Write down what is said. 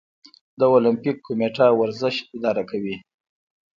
د المپیک کمیټه ورزش اداره کوي